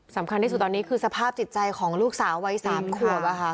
สำคัญที่สุดตอนนี้คือสภาพจิตใจของลูกสาววัย๓ขวบ